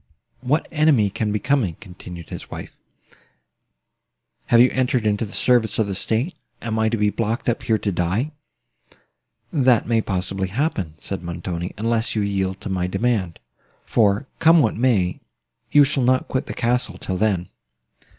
"What enemy can be coming?" continued his wife. "Have you entered into the service of the state? Am I to be blocked up here to die?" "That may possibly happen," said Montoni, "unless you yield to my demand: for, come what may, you shall not quit the castle till then."